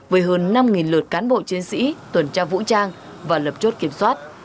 với hơn năm lượt cán bộ chiến sĩ tuần tra vũ trang và lập chốt kiểm soát